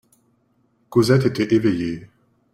Cosette était éveillée.